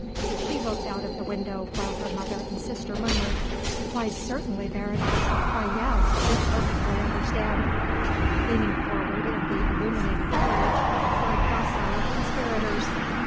She looked out of the window while her mother and sister murmured, "Why certainly, Baroness; why yes; we perfectly understand," leaning forward in the illuminated carriage like docile conspirators.